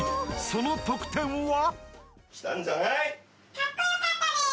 その得点は？